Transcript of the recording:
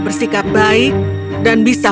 bersikap baik dan bisa